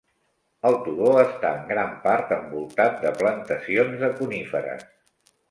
El turó està en gran part envoltat de plantacions de coníferes.